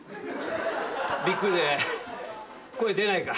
びっくりで声出ないか。